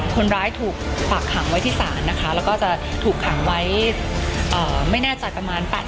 คนร้ายถูกฝากขังไว้ที่ศาลนะคะแล้วก็จะถูกขังไว้ไม่แน่ใจประมาณ๘๐